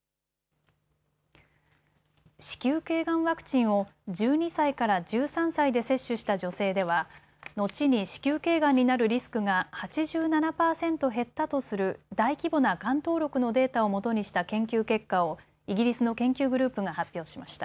子宮けいがんワクチンを１２歳から１３歳で接種した女性では後に子宮けいがんになるリスクが８７％減ったとする大規模ながん登録のデータをもとにした研究結果をイギリスの研究グループが発表しました。